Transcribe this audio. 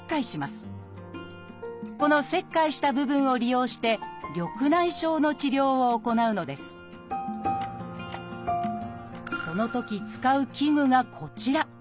この切開した部分を利用して緑内障の治療を行うのですそのとき使う器具がこちら。